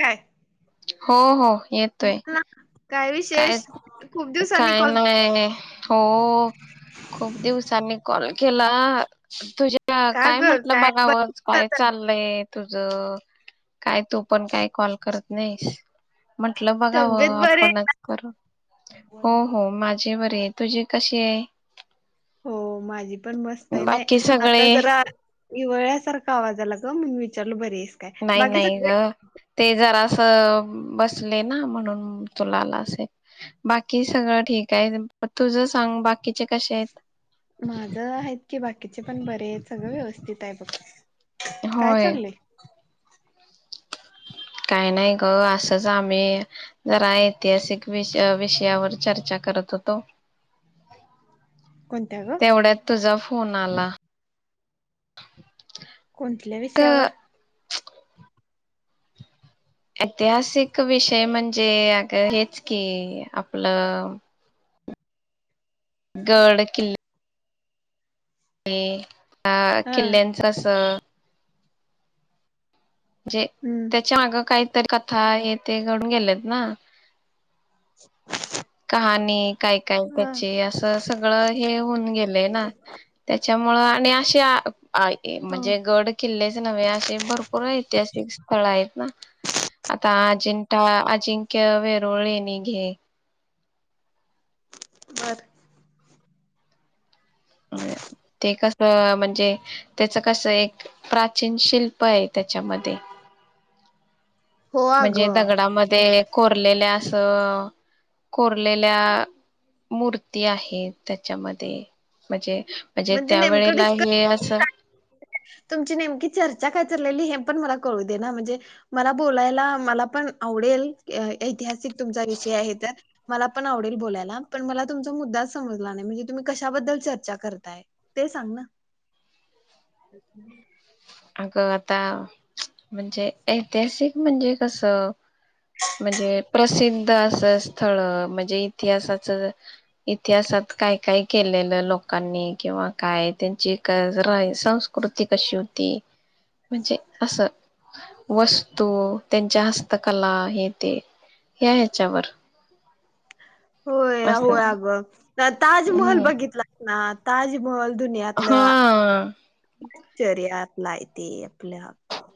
काय हो हो येतोय. ना, काय विशेष खूप दिवसांनी काय कॉल नाही हो खूप दिवसांनी कॉल केला तुझ्या का काय ग म्हटलं बघावं बर काय चाललंय तुझ काय तू पण काय कॉल करत नाहीस म्हंटलं बघाव तब्येत बरे आपणच हो हो माझी बरीये तुझी कशी आहे. हो माझी पण मस्त आहे नाही बाकी आता सगळे जरा हिवाळ्यात सारखा आवाज आला ग म्हणून विचारलं बरीये नाही नाही ग ते जरा अअ बसले ना म्हणून तुला आला असेल बाकी सगळं ठीक आहे तुझ सांग बाकीचे कशे आहेत. माझ आहेत की बाकीचे पण बरे सगळं व्यवस्थित आहे. बघ काय होय चाललंय काय नाही ग असंच आम्ही जरा ऐतिहासिक वि विषयावर चर्चा करत होतो. कोणत्या ग तेवढ्यात तुझा फोन आला कोणतल्या ग विषयावर ऐतिहासिक विषय म्हणजे अग हेच की आपलं गड किल्ल [inaudible] अ हा किल्ल्यांच असं जे हम्म त्याच्या माग कायतरी कथा हे ते घडून गेलेत ना [inaudible] आणि काय काय ह त्याची अस सगळ हे होऊन गेलेय ना त्याच्यामुळ आणि अशे त्या आ ए हो म्हणजे गड किल्लेच नव्हे असे भरपूर ऐतिहासि स्थळ आहेत ना आता अजिंठा अजिंक्य वेरुळ लेणी घे बर ते कसं म्हणजे त्याच कस एक प्राचीन शिल्प आहे त्याच्यामध्ये हो म्हणजे अगं दगडामध्ये कोरलेल्या असं कोरलेल्या मूर्ती आहेत त्याच्यामध्ये म्हजे म्हणजे नेमकं डिस्कस [unintelligible] तुमची नेमकी चर् र्चा काय चाललेलय हे पण मला कळुदे ना म्हणजे मला बोलायला मला पण आवडेल ऐतिहासिक तुमचा विषय आहे त मला पण आवडेल बोलायला पण मला तुमचा मुद्दाच समजला नाही म्हणजे तुम्ही कशाबद्दल चर्चा कर काय ते सांग ना अगं आता म्हणजे ऐतिहासिक म्हणजे कस म्हणजे प्रसिन अस स्थळ म्हणजे इतिहासाच इतिहासात काय काय केलेलं लोकांनी किंवा काय क राय त्यांची संस्कृती कशी होती. म्हणजे असं वस्तू त्यांच्या हस्तकला हेे ते ह्या ह्याच्यावर होय असं होय अग ता ताजमहल हम्म बघितला ना ताजमहल दुनियातलं हा चर्यात नाही ते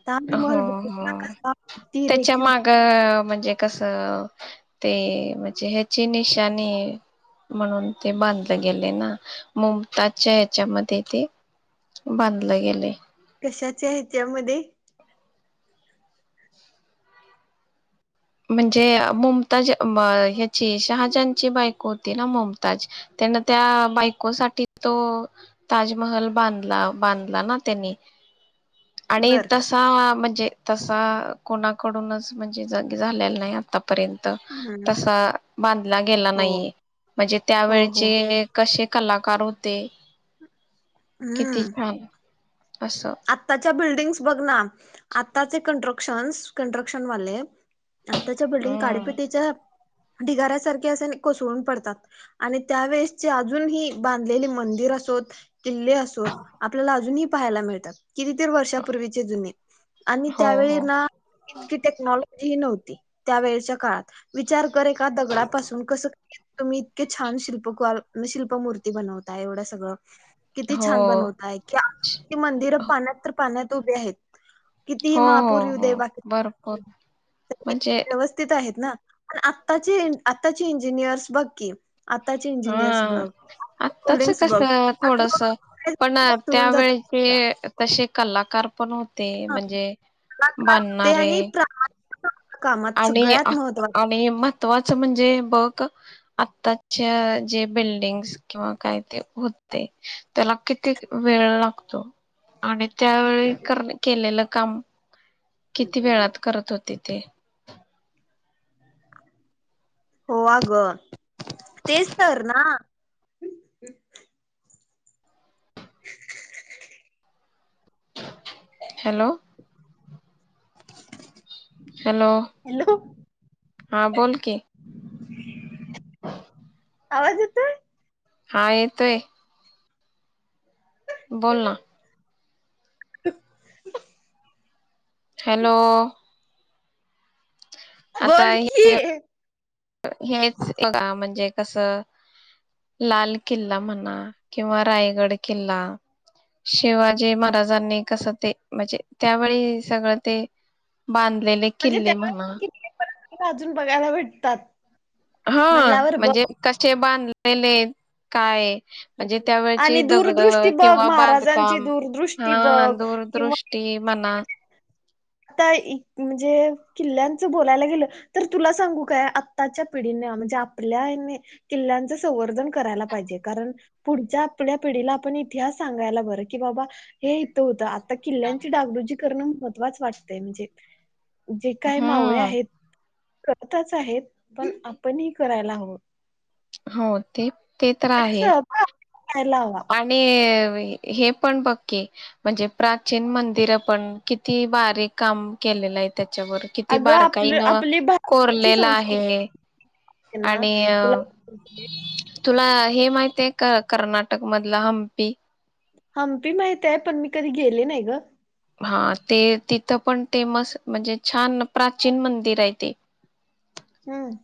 ताज हो महल बघितला हो कसा किती रेखिव जे कस ते म्हणजे ह्याची निशानी म्हणून ते बांधलं गेले ना मुमताजच्या ह्याच्यामध्ये ते बांधलं गेलय कशाचे हेच्यामध्ये म्हणजे मुमताज म ह्याची शहाजानची बायको होती ना मुमताज त्यान त्या बायकोसाठी तो ताजमहल बांधला बांधला ना त्यानी आणि बर तसा म्हणजे तसा कोणाकडूनच म्हणजे ज झालेला नाय आता पर्यंत हम्म. तसा बांधला गेला हो नाहीये म्हणजे हो हो त्यावेळचे कशे कलाकार होते. किती छान असं आताच्या बिल् तेच बघना आत्ताचे कन्ट्रक्शन्स कन्ट्रक्शन वाले आत्ताच्या बिल्डिंग हम्म काढेपेटीच्या ढिगाऱ्यासारखे असे कोसळून पडतात आणि त्यावेेळेसचे अजूनही बांधलेले मंदिर असोत किल्ले असोत आपल्याला अजूनही पाहायला मिळतात. कितीतर वर्षापूर्वीचे जुने आणि हो त्यावेळी हो ना इतकी टेक्नॉलॉ ही नव्हती त्या वेळच्या काळात विचार कर एका दगडापासून कसं तुम्ही इतके छान शिल्पकार शिल्पमूर्ती बनवता एवढं सगळं किती हो छान बनवताय कि मंदिर तर पाण्यात उभे आहेत. कितीही हो हो महापूर हो येउदे बाकी भरपूर म्हणजे [inaudible] व्यवस्थित आहेत ना पण आत्ताचे आताचे इंजिनियर्स बघ की आताचे हा इंजिनियर्स बघ आत्ताच बिल्डिंग्स बघ कसा आता थोडस पण सोडून त्यावेळी जातात चे कसे कलाकार पण होत हा कलाकार होते आणि प्रा आणि आणि म महत्वाच म्हणजे बघ आत्ताच्या जे बिल्डिंग्स किंवा काय ते होते त्याला किती वेळ लागतो आणि त्यावेळी करर केलेलं काम किती वेळात करत होते ते हो अगं तेच तर ना [inaudible] हॅलो हॅलो हॅलो हा बोल की, [inaudible] [inaudible] आवाज येतोय हा येतोय बोल ना [inaudible] हॅलो आता बोल कि, हेच म्हणजे कस लाल किल्ला म्हणा किंवा रायगड किल्ला शिवाजी महाराजांनी कसं ते म्हणजे त्यावेळी सगळं ते बांधलेले म्हणजे किल्ले म्हणा त्यावेळेस किती परत अजून बघायला भेटतात हा म्हणल्यावर बघ म्हणजे कसे बांध लेले काय? म्हणजे त्यावेळची आणि दूरदृष्टी दगडं बघ किंवा महाराजांची बांधकाम दूरदृष्टी हा बघ किंवा दूरदृष्टी म्हणा आता म्हणजे किल्ल्यांचं बोलायला गेलं तर तुला सांगू काय आत्ताच्या पिढीने म्हणजे आपल्याने किल्ल्यांचं संवर्धन करायला पाहिजे कारण पुढच्या आपल्या पिढीला आपण इतिहास सांगायला बरं की बाबा हे इथं होतं आता किल्ल्यांची डागडुजी करणं महत्त्वाच वाटतं. ते म्हणजे जे काही मावळे हम्म आहेत करतच आहेत पण आपणही करायला हवं हो ते ते तर म्हणजे आहे सहभाग करायला हवा आणि हे पण बघकी म्हणजे प्राचीन मंदिरं पण किती बारीक काम केलेलं आहे त्या त्याच्यावर अगं आपलं बारकाईनं आपली भारताची कोरलेलं संस्कृती आहे ना आणि तुला तुला हे माहित आहे का कर्नाटक नाटक मधला हंपी हंपी माहित आहे पण मी कधी गेले नाही गं! हा ते तिथं पण तेेमस म्हणजे छान प्राचीन मंदिर आहे ते हम्म!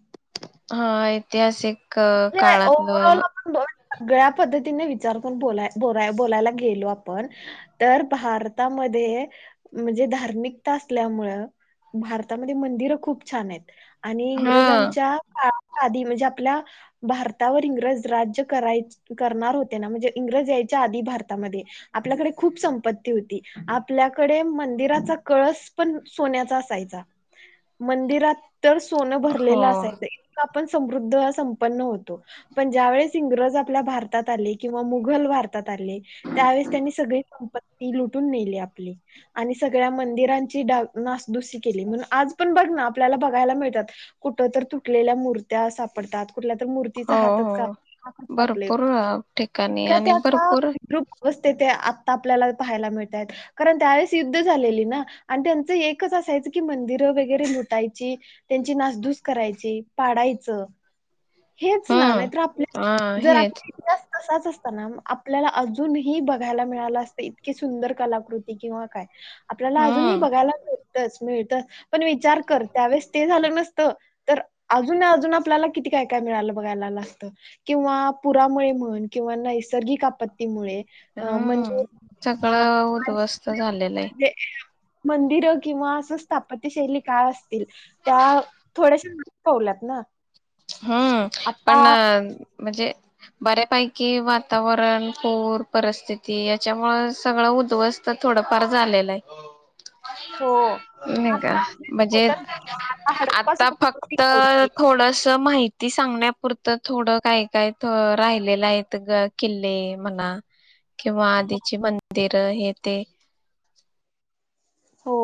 हा ऐतिहासिक म्हणजे ओव्हऑल काळातलं आपण सगळ्या पद्धती चार बोल-बोल बोलायला गेलो आपण तर भारतामध्ये, म्हणजे धार्मिकता असल्यामुळे भारतामध्ये मंदिरं खूप छान आहेत आणि हा इंग्रजांच्या क आधी म्हणजे आपल्या भारतावर इंग्रज राज्य कराय करणार होते ना म्हणजे इंग्रज यायच्या आधी भारतामध्ये आपल्याकडे खूप संपत्ती होती आपल्याकडे मंदिराचा कळस पण सोन्याचा असायचा मंदिरात तर सोनं हो भरलेलं असायचं इत पण समृद्ध सम न होत पण ज्या वेळेस इंग्रज आपल्या भारतात आले किंवा मुघल भारतात आले त्यावेळेस त्यांनी सगळी संपती लुटून नेली आपली आणि सगळ्या मंदिरांची डा नासदुसी केली म्हणून आज पण बघ ना आपल्याला बघायला मिळतात कुठ तर तुटलेल्या मूर्त्या सापडतात कुठल्या तर मूर्तीचा हो हातच काप हो कापलेत भरपूर ठिकाणी इतका आणि त्या का भरपूर विद्रूपअवस्तेत ते आपल्याला पाहायला मिळतयात कारण त्यावेळेस युद्ध झालेली ना आणि त्यांचं एकच असायचं की मंदिरं वगैरे लुटायची, त्यांची नासधूस करायची, पाडायचं हेच ना नाहीतर आपल्या हम्म हा जर हेच आपला इतिहास तसाच अस आपल्याला अजूनही बघायला मिळालं असत इतकी सुंदर कलाकृती किंवा काय आपल्याला अजूनही हम्म बघायला मिळ तेच मिळत, पण विचार कर त्यावेेळेस ते झालं नसतं तर अजून अजून आपल्याला किती काय काय मिळायला बघायला असत किंवा पुरामुळे म्हण किंवा नैसर्गिक आपतीमुळे हा सगळं उद्ध्वस्त झालेलं आहे मंदिर किंवा असं स्थापत्यशैली काय असतील त्या थोड्याशा पावल्यात ना! हम्म! पण आता म्हणजे बऱ्यापैकी वातावरण, पूर, परिस्थिती याच्यामु सगळं उद्वस्त थोडंफार झालेलं आहे हो नाही का आता म्हणजे होत्या आता हडप्पा आता संस्कृती फक्त ठेवली. थोड माहिती सांगण्यापुरतं थोडं काय काय त राहिलेलं आहे ग किल्ले म्हणा किंवा आधीचे मंदिर तर हे ते हो!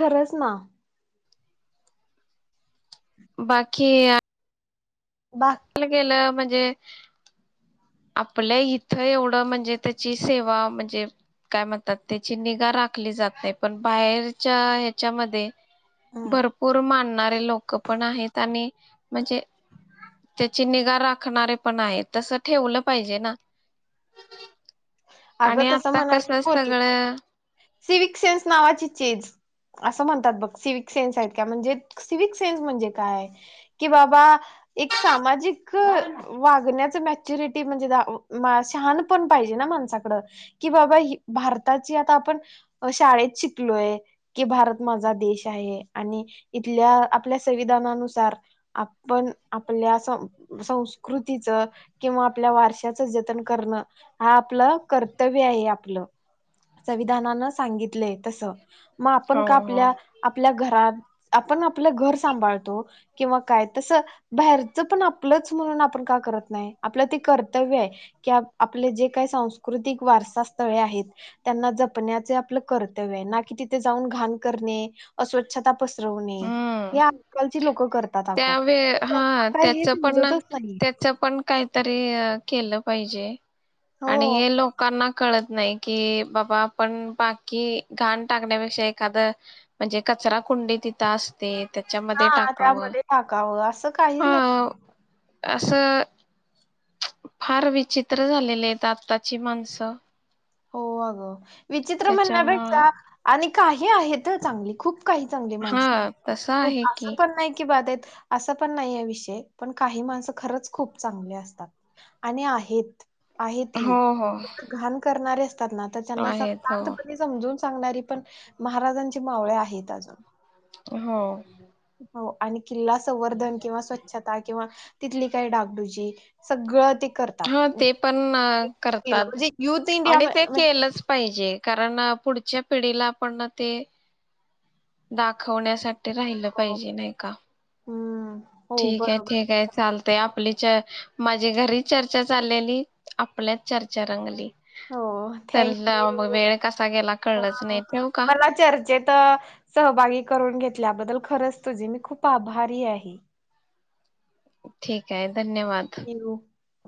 खरंच ना! बाकी बा ला गेलं म्ह जे आपल्या इथं एवढं म्हणजे त्याची सेवा म्हणजे काय म्हणतात त्याची निगा राखली जात नाही, पण बाहेरच्या ह्याच्यामध्ये भरपूर मान लोकं पण आहेत आणि म्हणजे त्याची निगा राखणारे पण आहेत तस ठेवलं पाहिजे ना अगं आणि तसं आता कसं म्हणायला सगळं सिविक सेन्स नावाची चेज असं म्हणतात बघ सिविक सेन्स आहेत का म्हणजे सिविक सेन्स म्हणजे काय की बाबा एक सामाजिक वागण्याच मॅच्युरिटी म्हणजे [unintelligible] शहाणपण पाहिजे ना माणसात कि बाबा ही भारताची आता आपण शाळेत शिकलोय कि भारत माझा देश आहे आणि इथल्या आपल्या संविधानानुसार आपण आपल्या स संस्कृतीच किंवा आपल्या वारशाच जतन करणं हा आपला कर्तव्य आहे आपलं संविधानानं सांगितलय तस म आपण हो का हो आपल्या आपल्या घरात आपण आपलं घर सांभाळतो किंवा काय तस बाहेरच पण आपलंच म्हणून आपण का करत नाही आपलं ते कर्तव्य आहे की आपले जे काय संस्क्रृ कृतिक वारस पाच स्थळे आहेत त्यांना जप जपण्याचे आपलं कर्तव्य आहे ना कि तिथे जाऊन घाण करणे? अस्वच्छता पसरवणे हे हम्म आजकालची लोक करतात आगं त्यावे पण त्यांना हा काय हे त्याच पण समजतच नाहीे त्याच पण काहीतरी अ, केलं पाहिजे आणि हे लोकांना कळत नाही कि बाबा आपण बाकी घाण टाकण्यापेक्षा एखादं म्हणजे कचरा कुंडी तिथं असते त्याच्यामध्ये हा टाकावं त्यामध्ये टाकावं आस काही नाही हा असं फार विचित्र झालेले आहेत आत्ताची माणसं हो आगं विचित्र त्याच्यामुळं म्हणण्यापेक्ष्या आणि काही आहेत ह चांगली खूप काही चांगली माणसं हा तसं आहे खूप आसं की पण नाही कि बाद आहेत आसं पण नाही ये विषय पण काही माणसं खरंच खूप चांगली असतात आणि आहेत आहेत थी हो हो फक्त घाण करणारे [unintelligible] तर ज्याना आहेत हो शांतपणे समजून सांगणारी पण महाराजांची मावळे आहेत अजून हो हो आणि किल्ला संवर्धन किंवा स्वच्छता किंवा तिथली काय डागडुजी सगळं ते करतात हा ते पण करतात म्हणजे युथ इंडिया आणि ते म्हणजे केलंच पाहिजे कारण पुढच्या पिढीला पण ना ते दाखवण्यासाठी राहिलं पाहिजे नाही का? हम्म हो ठीकये बरोबर ठीकये चालतय आप आपली च माझी घरी चर्चा चाललेली आपल्यात चर्चा रंगली हो तर थँक्यू मग यू वेळ कसा गेला कळलंच नाही ठेवू का मला चर्चेत सहभागी करून घेतल्याबद्दल खरच तुझी मी खूप आभारी आहे. ठीक आहे. धन्यवाद.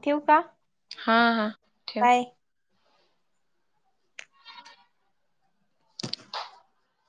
ठेऊ का? हा हा ठेव बाय.